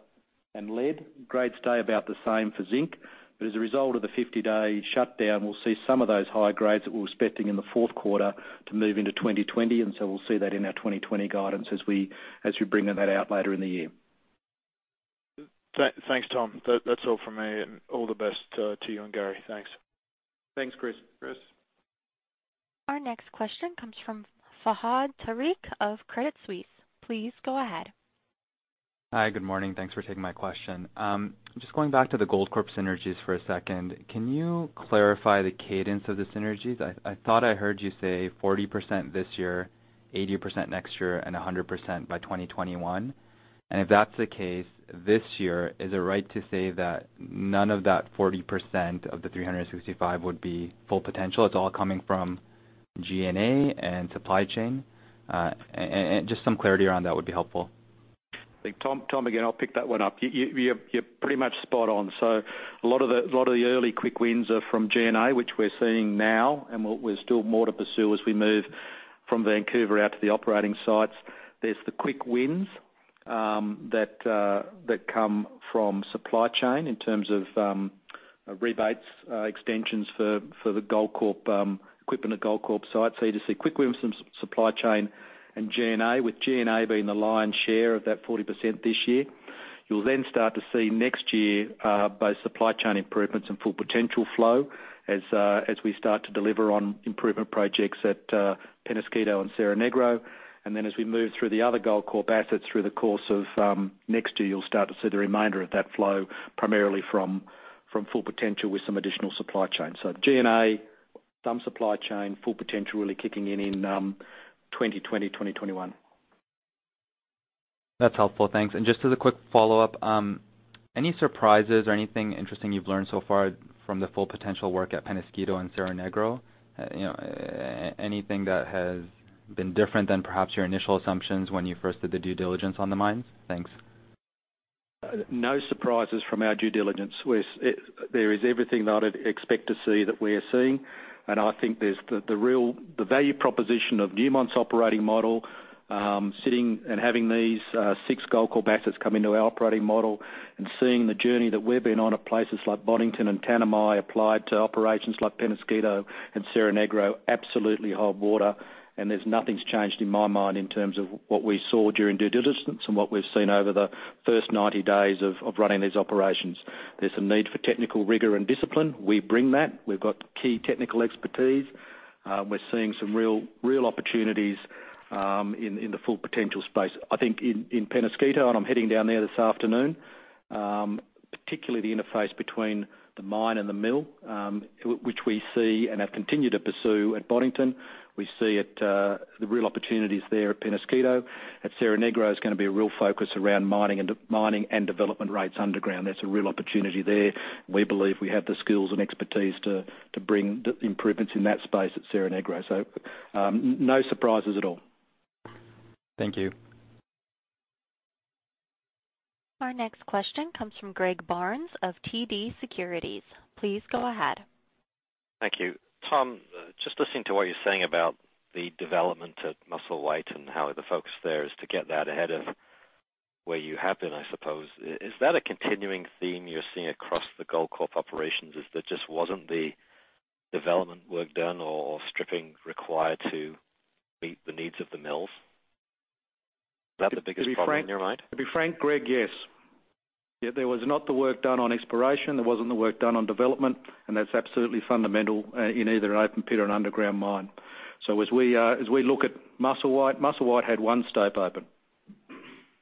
and lead. Grades stay about the same for zinc. As a result of the 50-day shutdown, we'll see some of those higher grades that we're expecting in the fourth quarter to move into 2020, and so we'll see that in our 2020 guidance as we bring that out later in the year. Thanks, Tom. That's all from me and all the best to you and Gary. Thanks. Thanks, Chris. Chris? Our next question comes from Fahad Tariq of Credit Suisse. Please go ahead. Hi. Good morning. Thanks for taking my question. Just going back to the Goldcorp synergies for a second, can you clarify the cadence of the synergies? I thought I heard you say 40% this year, 80% next year, and 100% by 2021. If that's the case, this year, is it right to say that none of that 40% of the $365 would be Full Potential? It's all coming from G&A and supply chain? Just some clarity around that would be helpful. Tom, again, I'll pick that one up. You're pretty much spot on. A lot of the early quick wins are from G&A, which we're seeing now, and we've still more to pursue as we move from Vancouver out to the operating sites. There's the quick wins that come from supply chain in terms of rebates, extensions for the Goldcorp equipment at Goldcorp sites. You just see quick wins from supply chain and G&A, with G&A being the lion's share of that 40% this year. You'll then start to see next year both supply chain improvements and Full Potential flow as we start to deliver on improvement projects at Peñasquito and Cerro Negro. As we move through the other Goldcorp assets through the course of next year, you'll start to see the remainder of that flow primarily from Full Potential with some additional supply chain. G&A, some supply chain, Full Potential really kicking in in 2020, 2021. That's helpful. Thanks. Just as a quick follow-up, any surprises or anything interesting you've learned so far from the Full Potential work at Peñasquito and Cerro Negro? Anything that has been different than perhaps your initial assumptions when you first did the due diligence on the mines? Thanks. No surprises from our due diligence. There is everything that I'd expect to see that we are seeing, and I think there's the value proposition of Newmont's operating model, sitting and having these six Goldcorp assets come into our operating model and seeing the journey that we've been on at places like Boddington and Tanami applied to operations like Peñasquito and Cerro Negro absolutely hold water, and there's nothing's changed in my mind in terms of what we saw during due diligence and what we've seen over the first 90 days of running these operations. There's a need for technical rigor and discipline. We bring that. We've got key technical expertise. We're seeing some real opportunities in the Full Potential space. I think in Peñasquito, and I'm heading down there this afternoon, particularly the interface between the mine and the mill, which we see and have continued to pursue at Boddington. We see the real opportunities there at Peñasquito. At Cerro Negro is going to be a real focus around mining and development rates underground. There's a real opportunity there. We believe we have the skills and expertise to bring improvements in that space at Cerro Negro. No surprises at all. Thank you. Our next question comes from Greg Barnes of TD Securities. Please go ahead. Thank you. Tom, just listening to what you're saying about the development at Musselwhite and how the focus there is to get that ahead of where you have been, I suppose. Is that a continuing theme you're seeing across the Goldcorp operations? Is there just wasn't the development work done or stripping required to meet the needs of the mills? Is that the biggest problem in your mind? To be frank, Greg, yes. There was not the work done on exploration. There wasn't the work done on development. That's absolutely fundamental in either an open pit or an underground mine. As we look at Musselwhite had one stope open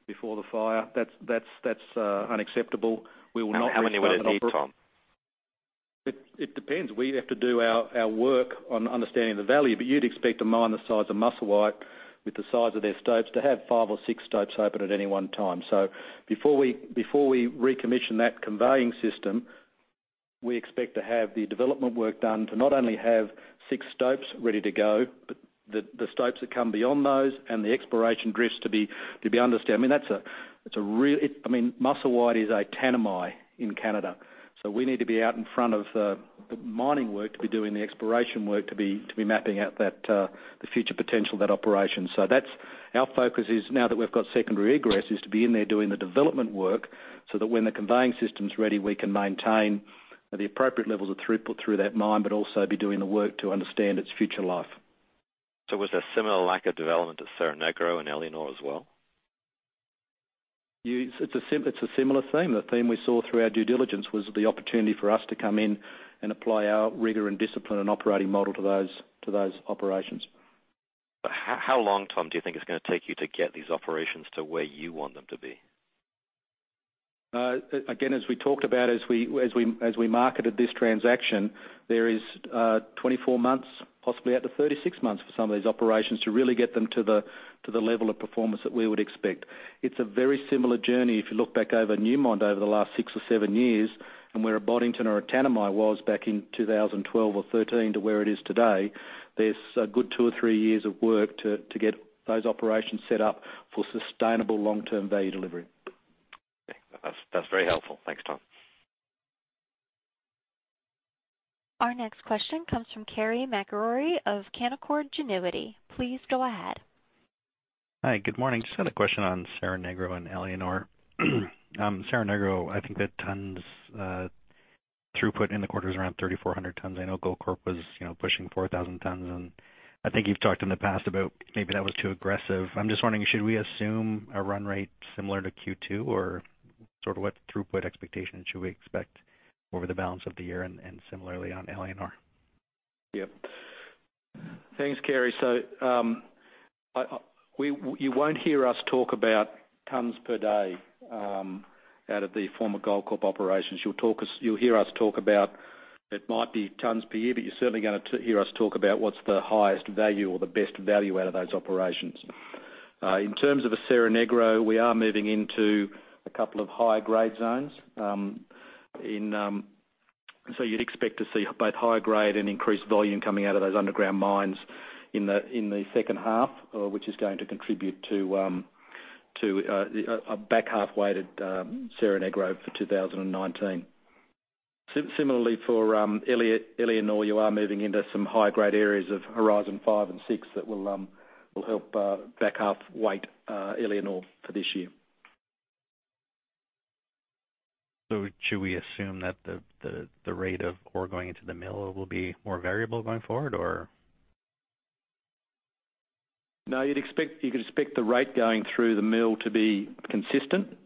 before the fire. That's unacceptable. We will not leave that. How many would it need, Tom? It depends. We have to do our work on understanding the value, but you'd expect a mine the size of Musselwhite with the size of their stopes to have five or six stopes open at any one time. Before we recommission that conveying system, we expect to have the development work done to not only have six stopes ready to go, but the stopes that come beyond those and the exploration drifts to be understanding. Musselwhite is a Tanami in Canada, so we need to be out in front of the mining work to be doing the exploration work, to be mapping out the future potential of that operation. Our focus is, now that we've got secondary egress, is to be in there doing the development work, so that when the conveying system's ready, we can maintain the appropriate levels of throughput through that mine, but also be doing the work to understand its future life. Was there similar lack of development at Cerro Negro and Éléonore as well? It's a similar theme. The theme we saw through our due diligence was the opportunity for us to come in and apply our rigor and discipline and operating model to those operations. How long, Tom, do you think it's going to take you to get these operations to where you want them to be? As we talked about, as we marketed this transaction, there is 24 months, possibly out to 36 months for some of these operations to really get them to the level of performance that we would expect. It's a very similar journey if you look back over Newmont over the last six or seven years and where a Boddington or a Tanami was back in 2012 or 2013 to where it is today. There's a good two or three years of work to get those operations set up for sustainable long-term value delivery. Okay. That's very helpful. Thanks, Tom. Our next question comes from Carey MacRury of Canaccord Genuity. Please go ahead. Hi. Good morning. Just had a question on Cerro Negro and Éléonore. Cerro Negro, I think the tons throughput in the quarter is around 3,400 tons. I know Goldcorp was pushing 4,000 tons, and I think you've talked in the past about maybe that was too aggressive. I'm just wondering, should we assume a run rate similar to Q2, or what throughput expectation should we expect over the balance of the year and similarly on Éléonore? Yep. Thanks, Carey. You won't hear us talk about tons per day out of the former Goldcorp operations. You'll hear us talk about, it might be tons per year, you're certainly going to hear us talk about what's the highest value or the best value out of those operations. In terms of Cerro Negro, we are moving into a couple of higher grade zones. You'd expect to see both higher grade and increased volume coming out of those underground mines in the second half, which is going to contribute to a back half weighted Cerro Negro for 2019. Similarly for Éléonore, you are moving into some high-grade areas of Horizon five and six that will help back half weight Éléonore for this year. Should we assume that the rate of ore going into the mill will be more variable going forward or? No, you could expect the rate going through the mill to be consistent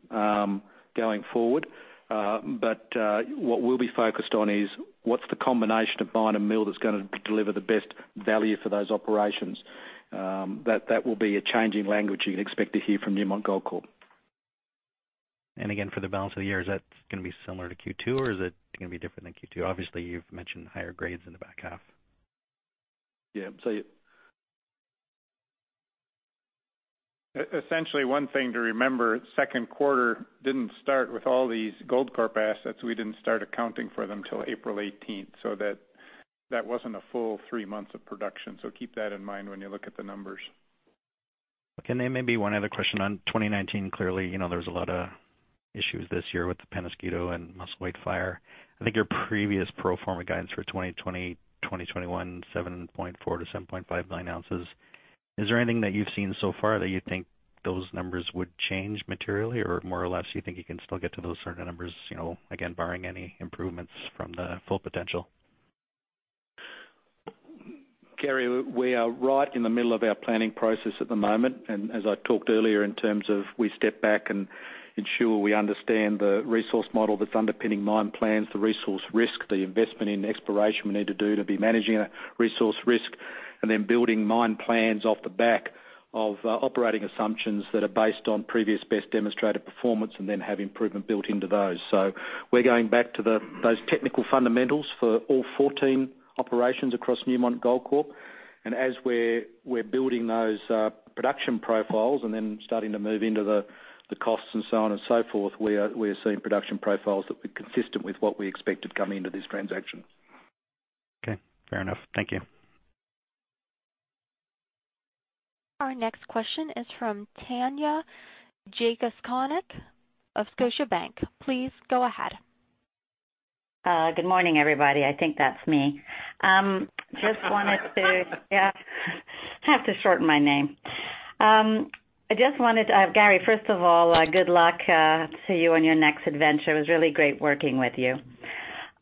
going forward. What we'll be focused on is what's the combination of mine and mill that's going to deliver the best value for those operations. That will be a change in language you can expect to hear from Newmont Goldcorp. Again, for the balance of the year, is that going to be similar to Q2, or is it going to be different than Q2? Obviously, you've mentioned higher grades in the back half. Yeah. Essentially, one thing to remember, second quarter didn't start with all these Goldcorp assets. We didn't start accounting for them till April 18th. That wasn't a full three months of production. Keep that in mind when you look at the numbers. Okay. Maybe one other question on 2019. Clearly, there's a lot of issues this year with the Peñasquito and Musselwhite fire. I think your previous pro forma guidance for 2020, 2021, 7.4 to 7.5 million ounces. Is there anything that you've seen so far that you think those numbers would change materially? More or less, do you think you can still get to those sort of numbers, again, barring any improvements from the Full Potential? Carey, we are right in the middle of our planning process at the moment. As I talked earlier, in terms of we step back and ensure we understand the resource model that's underpinning mine plans, the resource risk, the investment in exploration we need to do to be managing that resource risk, and then building mine plans off the back of operating assumptions that are based on previous best demonstrated performance and then have improvement built into those. We're going back to those technical fundamentals for all 14 operations across Newmont Goldcorp. As we're building those production profiles and then starting to move into the costs and so on and so forth, we are seeing production profiles that are consistent with what we expected coming into this transaction. Okay. Fair enough. Thank you. Our next question is from Tanya Jakusconek of Scotiabank. Please go ahead. Good morning, everybody. I think that's me. Have to shorten my name. Gary, first of all, good luck to you on your next adventure. It was really great working with you.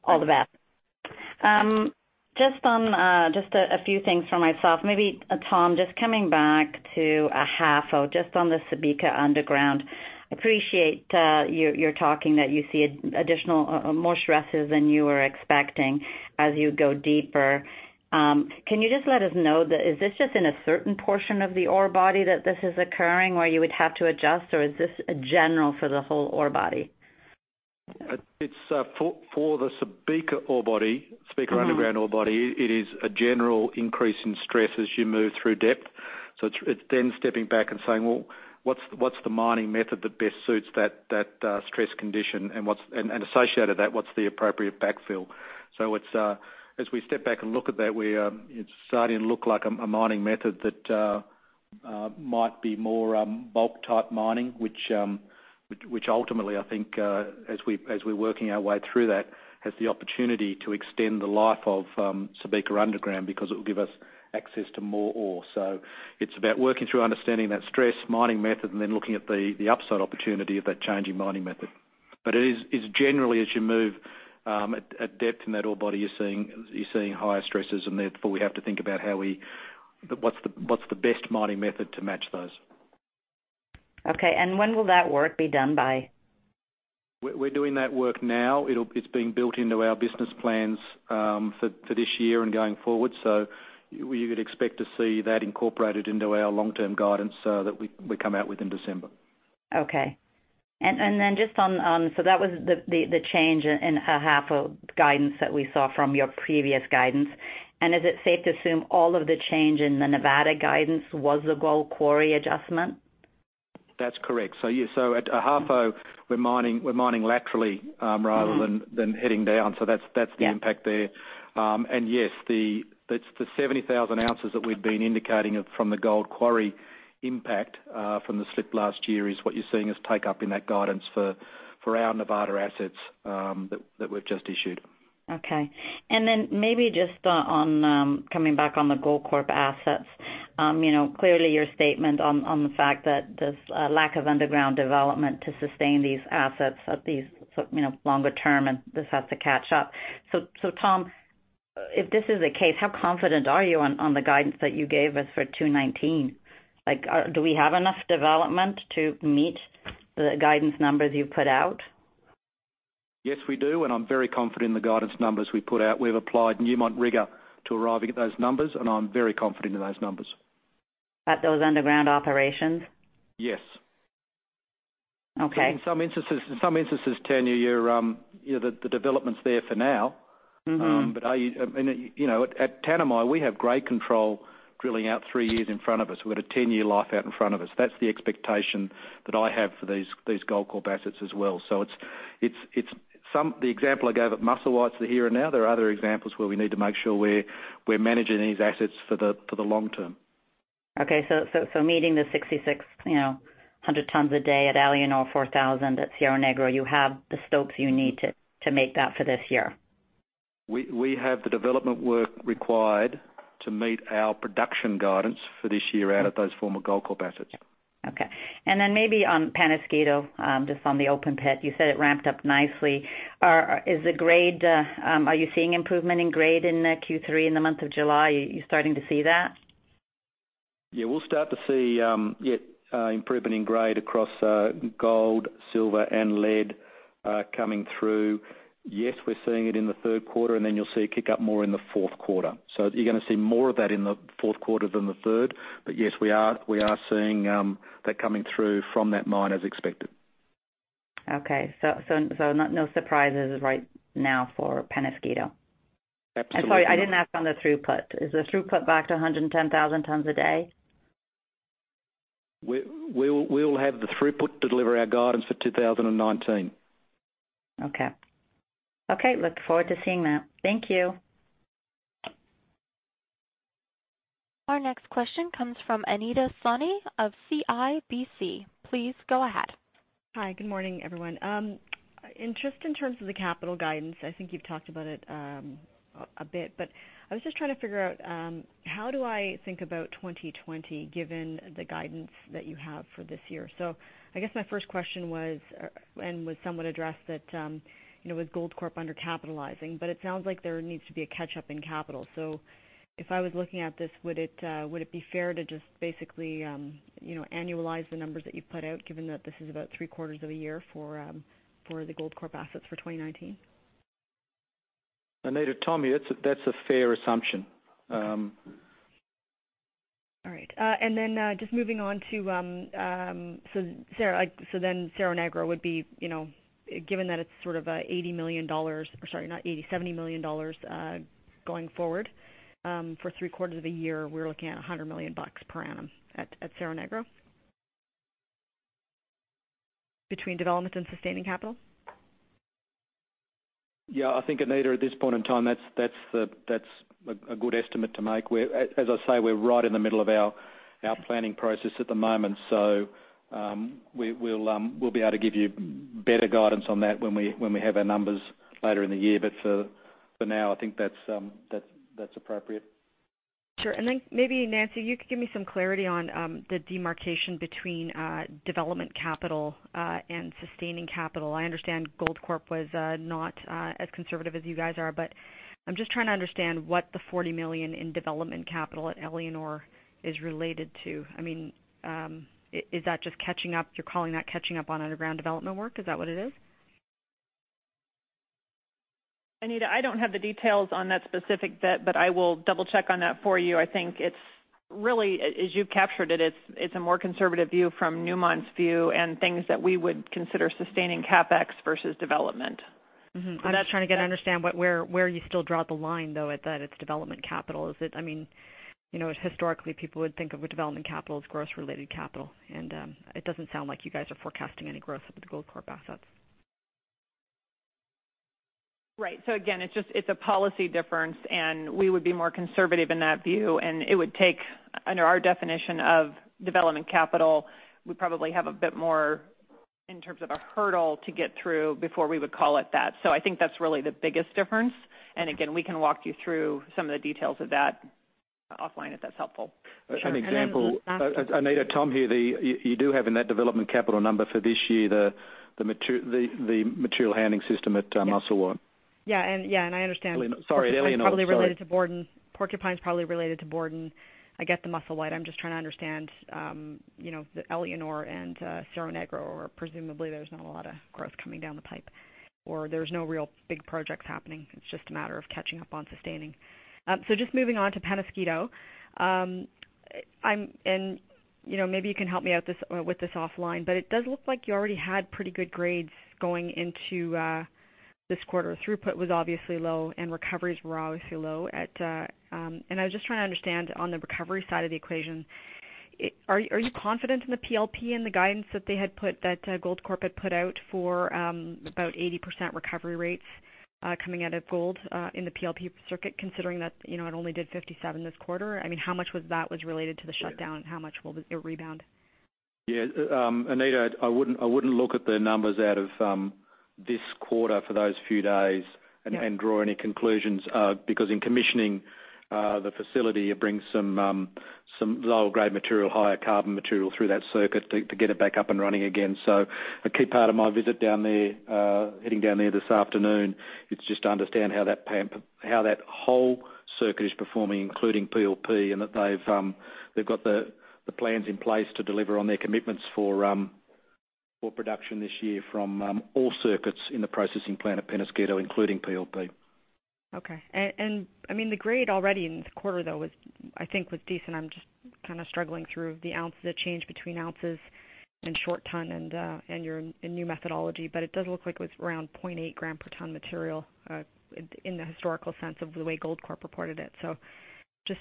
All the best. Just a few things for myself. Maybe, Tom, just coming back to Ahafo, just on the Subika Underground. Appreciate you're talking that you see additional, more stresses than you were expecting as you go deeper. Can you just let us know, is this just in a certain portion of the ore body that this is occurring where you would have to adjust, or is this general for the whole ore body? For the Subika Underground ore body, it is a general increase in stress as you move through depth. It's then stepping back and saying, well, what's the mining method that best suits that stress condition, and associated to that, what's the appropriate backfill? As we step back and look at that, it's starting to look like a mining method that might be more bulk-type mining, which ultimately, I think, as we're working our way through that, has the opportunity to extend the life of Subika Underground because it will give us access to more ore. It's about working through understanding that stress mining method and then looking at the upside opportunity of that change in mining method. It is generally as you move at depth in that ore body, you're seeing higher stresses, and therefore, we have to think about what's the best mining method to match those. Okay, when will that work be done by? We're doing that work now. It's being built into our business plans for this year and going forward. You would expect to see that incorporated into our long-term guidance that we come out with in December. That was the change in Ahafo guidance that we saw from your previous guidance. Is it safe to assume all of the change in the Nevada guidance was the Gold Quarry adjustment? That's correct. At Ahafo, we're mining laterally rather than heading down. That's the impact there. Yes, the 70,000 ounces that we've been indicating from the Gold Quarry impact from the slip last year is what you're seeing us take up in that guidance for our Nevada assets that we've just issued. Okay. Maybe just coming back on the Goldcorp assets. Clearly, your statement on the fact that there's a lack of underground development to sustain these assets at these longer term, and this has to catch up. Tom, if this is the case, how confident are you on the guidance that you gave us for 2019? Do we have enough development to meet the guidance numbers you've put out? Yes, we do, and I'm very confident in the guidance numbers we put out. We've applied Newmont rigor to arriving at those numbers, and I'm very confident in those numbers. At those underground operations? Yes. Okay. In some instances, Tanya, the development's there for now. At Tanami, we have great control drilling out three years in front of us. We've got a 10-year life out in front of us. That's the expectation that I have for these Goldcorp assets as well. The example I gave at Musselwhite's the here and now. There are other examples where we need to make sure we're managing these assets for the long term. Okay. meeting the 6,600 tons a day at Éléonore, 4,000 at Cerro Negro, you have the stopes you need to make that for this year? We have the development work required to meet our production guidance for this year out at those former Goldcorp assets. Okay. Then maybe on Peñasquito, just on the open pit, you said it ramped up nicely. Are you seeing improvement in grade in Q3 in the month of July? Are you starting to see that? Yeah, we'll start to see improvement in grade across gold, silver, and lead coming through. Yes, we're seeing it in the third quarter. You'll see it kick up more in the fourth quarter. You're going to see more of that in the fourth quarter than the third. Yes, we are seeing that coming through from that mine as expected. Okay. No surprises right now for Peñasquito. Absolutely. Sorry, I didn't ask on the throughput. Is the throughput back to 110,000 tons a day? We'll have the throughput to deliver our guidance for 2019. Okay. Look forward to seeing that. Thank you. Our next question comes from Anita Soni of CIBC. Please go ahead. Hi. Good morning, everyone. Just in terms of the capital guidance, I think you've talked about it a bit, but I was just trying to figure out, how do I think about 2020 given the guidance that you have for this year? I guess my first question was, and was somewhat addressed, that was Goldcorp undercapitalizing? It sounds like there needs to be a catch-up in capital. If I was looking at this, would it be fair to just basically annualize the numbers that you've put out, given that this is about three-quarters of a year for the Goldcorp assets for 2019? Anita, Tom here. That's a fair assumption. All right. Just moving on to Cerro Negro would be, given that it's sort of $70 million going forward for three-quarters of a year, we're looking at $100 million per annum at Cerro Negro? Between development and sustaining capital? Yeah, I think, Anita, at this point in time, that's a good estimate to make. As I say, we're right in the middle of our planning process at the moment, so we'll be able to give you better guidance on that when we have our numbers later in the year. For now, I think that's appropriate. Sure. Maybe Nancy, you could give me some clarity on the demarcation between development capital and sustaining capital. I understand Goldcorp was not as conservative as you guys are, but I'm just trying to understand what the $40 million in development capital at Éléonore is related to. Is that just catching up? You're calling that catching up on underground development work? Is that what it is? Anita, I don't have the details on that specific debt, but I will double-check on that for you. I think it's really, as you've captured it's a more conservative view from Newmont's view and things that we would consider sustaining CapEx versus development. I'm just trying to get an understanding where you still draw the line, though, at that it's development capital. Historically, people would think of development capital as growth-related capital. It doesn't sound like you guys are forecasting any growth with the Goldcorp assets. Right. Again, it's a policy difference, and we would be more conservative in that view, and it would take, under our definition of development capital, we probably have a bit more in terms of a hurdle to get through before we would call it that. I think that's really the biggest difference. Again, we can walk you through some of the details of that offline, if that's helpful. Sure. An example, Anita, Tom here. You do have in that development capital number for this year, the material handling system at Musselwhite. Yeah. I understand. Sorry, Éléonore. Sorry. Porcupine's probably related to Borden. I get the Musselwhite. I'm just trying to understand Éléonore and Cerro Negro, presumably there's not a lot of growth coming down the pipe, there's no real big projects happening. It's just a matter of catching up on sustaining. Just moving on to Peñasquito. Maybe you can help me out with this offline, it does look like you already had pretty good grades going into this quarter. Throughput was obviously low and recoveries were obviously low. I was just trying to understand on the recovery side of the equation, are you confident in the PLP and the guidance that Goldcorp had put out for about 80% recovery rates coming out of gold in the PLP circuit, considering that it only did 57 this quarter? How much of that was related to the shutdown? How much will it rebound? Yeah, Anita, I wouldn't look at the numbers out of this quarter for those few days and draw any conclusions, because in commissioning the facility, it brings some lower grade material, higher carbon material through that circuit to get it back up and running again. A key part of my visit down there, heading down there this afternoon, is just to understand how that whole circuit is performing, including PLP, and that they've got the plans in place to deliver on their commitments for production this year from all circuits in the processing plant at Peñasquito, including PLP. Okay. The grade already in this quarter, though, I think was decent. I'm just kind of struggling through the change between ounces and short ton and your new methodology, it does look like it was around 0.8 gram per ton material, in the historical sense of the way Goldcorp reported it.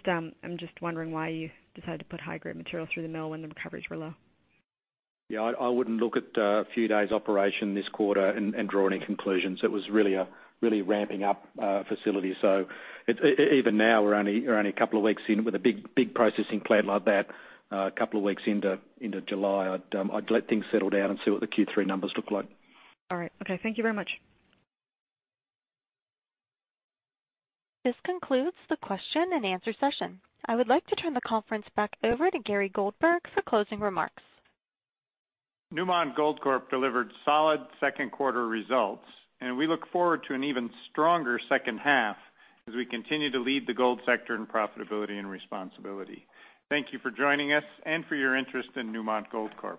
I'm just wondering why you decided to put high grade material through the mill when the recoveries were low. Yeah, I wouldn't look at a few days operation this quarter and draw any conclusions. It was really a ramping up facility. Even now, we're only a couple of weeks in with a big processing plant like that, a couple of weeks into July. I'd let things settle down and see what the Q3 numbers look like. All right. Okay. Thank you very much. This concludes the question and answer session. I would like to turn the conference back over to Gary Goldberg for closing remarks. Newmont Goldcorp delivered solid second quarter results. We look forward to an even stronger second half as we continue to lead the gold sector in profitability and responsibility. Thank you for joining us and for your interest in Newmont Goldcorp.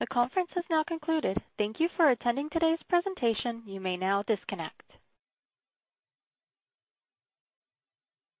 The conference has now concluded. Thank you for attending today's presentation. You may now disconnect.